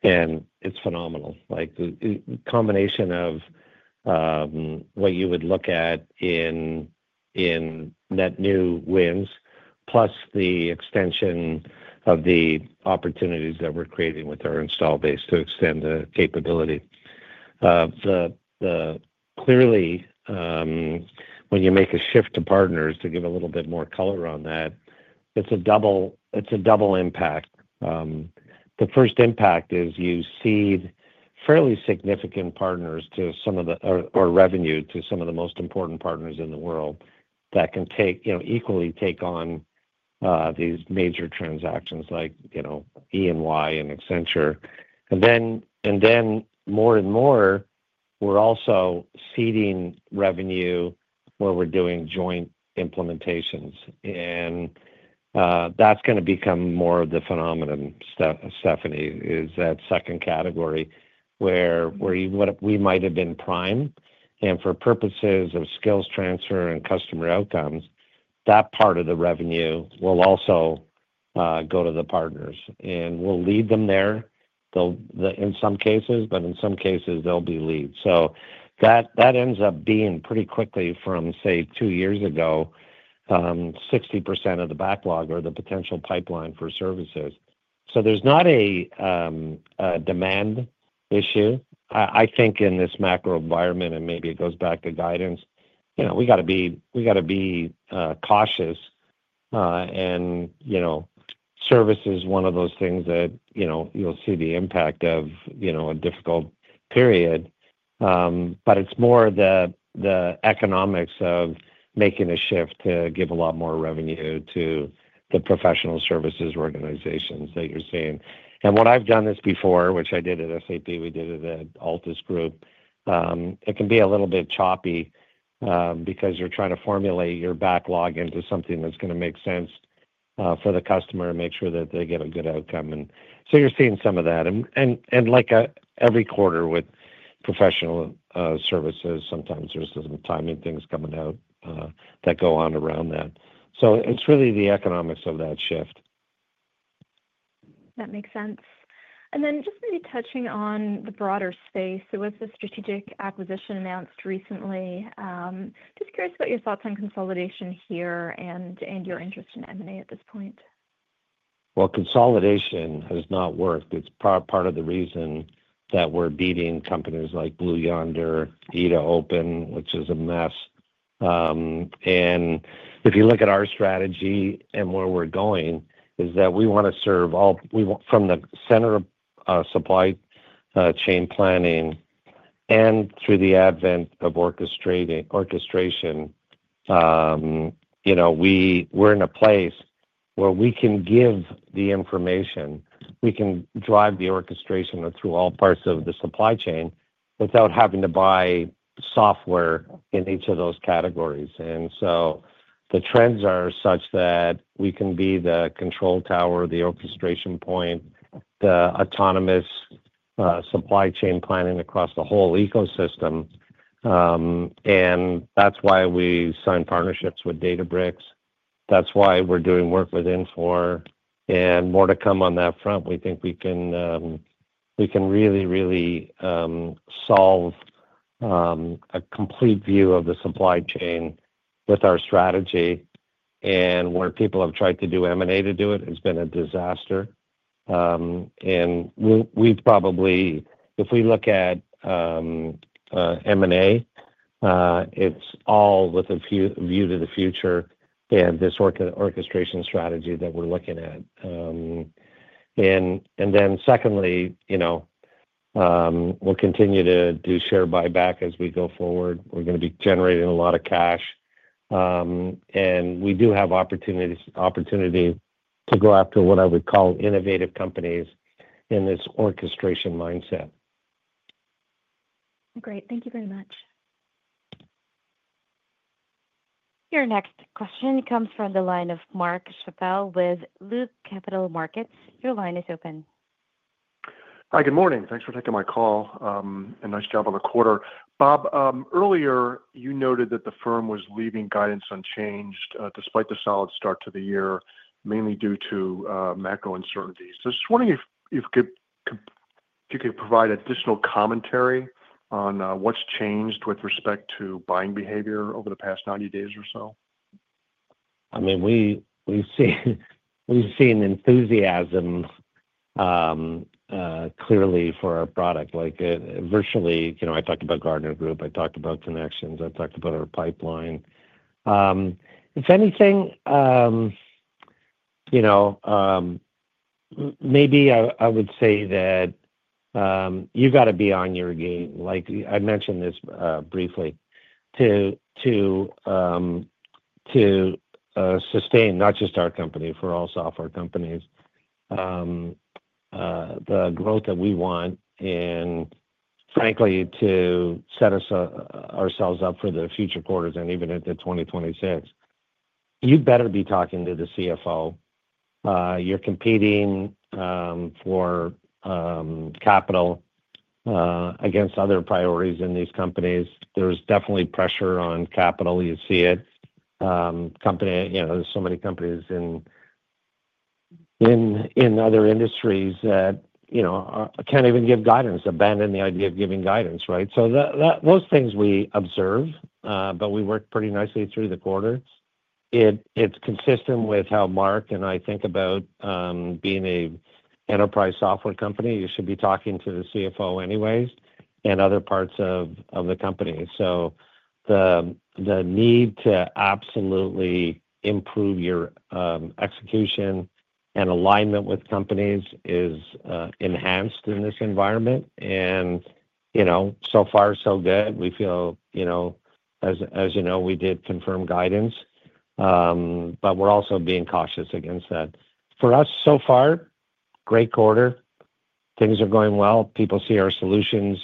C: It's phenomenal. The combination of what you would look at in net new wins, plus the extension of the opportunities that we're creating with our install base to extend the capability. Clearly, when you make a shift to partners, to give a little bit more color on that, it's a double impact. The first impact is you see fairly significant revenue to some of the most important partners in the world that can equally take on these major transactions like EY and Accenture. More and more, we're also seeding revenue where we're doing joint implementations. That's going to become more of the phenomenon, Stephanie, is that second category where we might have been prime. For purposes of skills transfer and customer outcomes, that part of the revenue will also go to the partners. We will lead them there in some cases, but in some cases, they will be led. That ends up being pretty quickly from, say, two years ago, 60% of the backlog or the potential pipeline for services. There is not a demand issue. I think in this macro environment, and maybe it goes back to guidance, we have to be cautious. Service is one of those things that you will see the impact of a difficult period. It is more the economics of making a shift to give a lot more revenue to the professional services organizations that you are seeing. I have done this before, which I did at SAP, we did it at Altus Group, it can be a little bit choppy because you are trying to formulate your backlog into something that is going to make sense for the customer and make sure that they get a good outcome. You're seeing some of that. Like every quarter with professional services, sometimes there's some timing things coming out that go on around that. It's really the economics of that shift.
J: That makes sense. Maybe touching on the broader space, with the strategic acquisition announced recently, just curious about your thoughts on consolidation here and your interest in M&A at this point.
C: Consolidation has not worked. It's part of the reason that we're beating companies like Blue Yonder, E2open, which is a mess. If you look at our strategy and where we're going, we want to serve from the center of supply chain planning and through the advent of orchestration. We're in a place where we can give the information. We can drive the orchestration through all parts of the supply chain without having to buy software in each of those categories. The trends are such that we can be the control tower, the orchestration point, the autonomous supply chain planning across the whole ecosystem. That is why we signed partnerships with Databricks. That is why we are doing work with Infor. More to come on that front. We think we can really, really solve a complete view of the supply chain with our strategy. Where people have tried to do M&A to do it, it has been a disaster. If we look at M&A, it is all with a view to the future and this orchestration strategy that we are looking at. Secondly, we will continue to do share buyback as we go forward. We are going to be generating a lot of cash. We do have opportunity to go after what I would call innovative companies in this orchestration mindset.
J: Great. Thank you very much.
A: Your next question comes from the line of Mark Schappel with Loop Capital Markets. Your line is open.
K: Hi, good morning. Thanks for taking my call. And nice job on the quarter. Bob, earlier, you noted that the firm was leaving guidance unchanged despite the solid start to the year, mainly due to macro uncertainties. I was wondering if you could provide additional commentary on what's changed with respect to buying behavior over the past 90 days or so.
C: I mean, we've seen enthusiasm clearly for our product. Virtually, I talked about Gartner Group. I talked about Connections. I talked about our pipeline. If anything, maybe I would say that you got to be on your game. I mentioned this briefly to sustain not just our company, for all software companies, the growth that we want and, frankly, to set ourselves up for the future quarters and even into 2026. You better be talking to the CFO. You're competing for capital against other priorities in these companies. There's definitely pressure on capital. You see it. There are so many companies in other industries that can't even give guidance, abandon the idea of giving guidance, right? Those things we observe, but we worked pretty nicely through the quarter. It's consistent with how Mark and I think about being an enterprise software company. You should be talking to the CFO anyways and other parts of the company. The need to absolutely improve your execution and alignment with companies is enhanced in this environment. So far, so good. We feel, as you know, we did confirm guidance. We're also being cautious against that. For us, so far, great quarter. Things are going well. People see our solutions,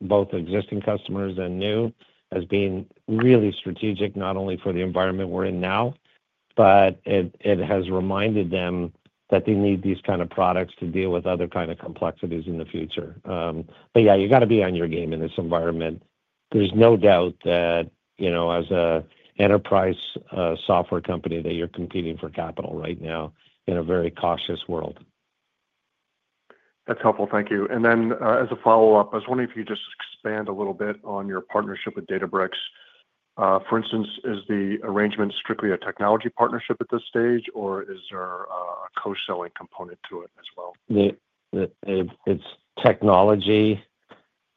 C: both existing customers and new, as being really strategic, not only for the environment we're in now, but it has reminded them that they need these kinds of products to deal with other kinds of complexities in the future. Yeah, you got to be on your game in this environment. There's no doubt that as an enterprise software company, you're competing for capital right now in a very cautious world.
K: That's helpful. Thank you. As a follow-up, I was wondering if you could just expand a little bit on your partnership with Databricks. For instance, is the arrangement strictly a technology partnership at this stage, or is there a co-selling component to it as well?
C: It's technology,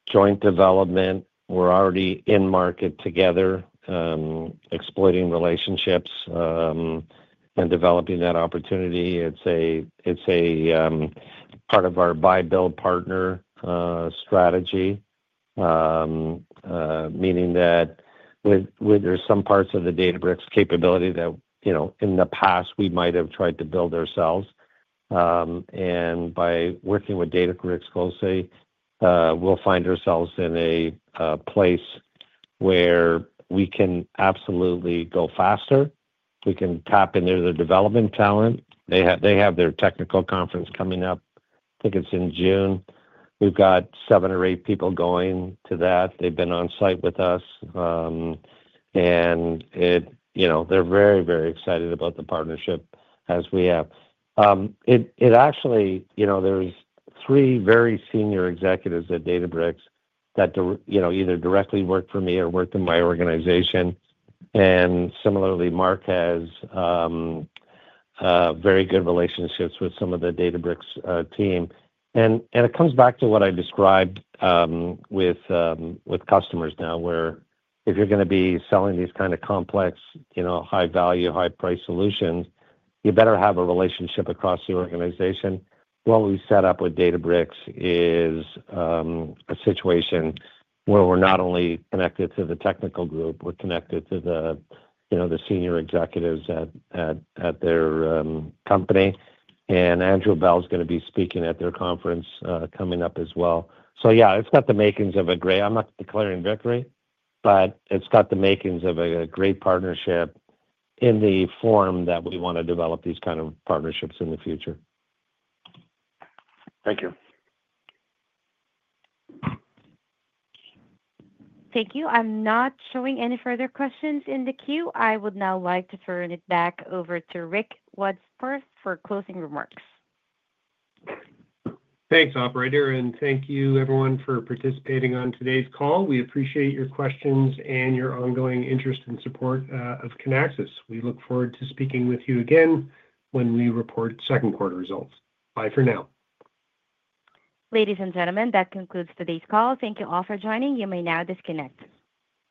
C: joint development. We're already in market together, exploiting relationships and developing that opportunity. It's a part of our buy-build partner strategy, meaning that there's some parts of the Databricks capability that in the past we might have tried to build ourselves. By working with Databricks closely, we'll find ourselves in a place where we can absolutely go faster. We can tap into the development talent. They have their technical conference coming up. I think it's in June. We've got seven or eight people going to that. They've been on site with us. They're very, very excited about the partnership as we have. Actually, there's three very senior executives at Databricks that either directly work for me or worked in my organization. Similarly, Mark has very good relationships with some of the Databricks team. It comes back to what I described with customers now, where if you're going to be selling these kinds of complex, high-value, high-price solutions, you better have a relationship across the organization. What we set up with Databricks is a situation where we're not only connected to the technical group, we're connected to the senior executives at their company. Andrew Bell is going to be speaking at their conference coming up as well. Yeah, it's got the makings of a great—I'm not declaring victory, but it's got the makings of a great partnership in the form that we want to develop these kinds of partnerships in the future.
K: Thank you.
A: Thank you. I'm not showing any further questions in the queue. I would now like to turn it back over to Rick Wadsworth for closing remarks.
B: Thanks, operator. Thank you, everyone, for participating on today's call. We appreciate your questions and your ongoing interest and support of Kinaxis. We look forward to speaking with you again when we report second quarter results. Bye for now.
A: Ladies and gentlemen, that concludes today's call. Thank you all for joining. You may now disconnect.